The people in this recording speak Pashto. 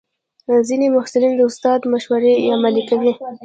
ځینې محصلین د استاد مشورې عملي کوي.